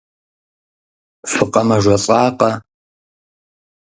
ФыкъэмэжэлӀакъэ?